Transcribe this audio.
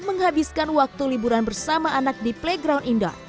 menghabiskan waktu liburan bersama anak di playground indoor